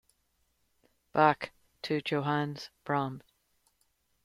Bach to Johannes Brahms.